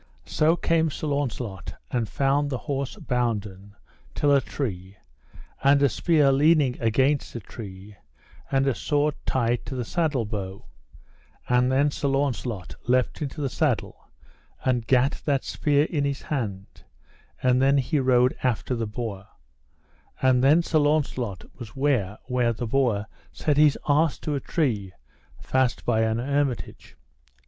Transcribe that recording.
So came Sir Launcelot and found the horse bounden till a tree, and a spear leaning against a tree, and a sword tied to the saddle bow; and then Sir Launcelot leapt into the saddle and gat that spear in his hand, and then he rode after the boar; and then Sir Launcelot was ware where the boar set his arse to a tree fast by an hermitage.